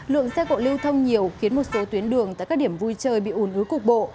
lượng xe cộ lưu thông nhiều khiến một số tuyến đường tại các điểm vui chơi bị ủn ứ cục bộ